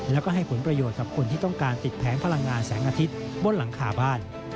แล้วก็ให้ผลประโยชน์กับคนที่ต้องการติดแผงพลังงานแสงอาทิตย์บนหลังคาบ้าน